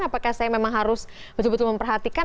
apakah saya memang harus betul betul memperhatikan